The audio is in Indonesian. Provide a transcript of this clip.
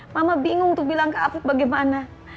mama bingung untuk bilang ke afid bagaimana